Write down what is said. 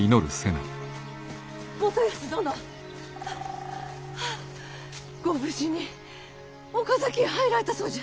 元康殿ハアハアご無事に岡崎へ入られたそうじゃ。